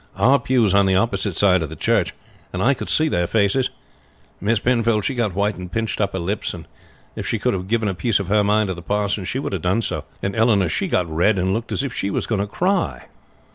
Our pew's on the opposite side of the church, and I could see their faces. Miss Penfold she got white, and pinched up her lips, and if she could have given a piece of her mind to the parson she would have done so; and Eleanor she got red and looked as if she was going to cry.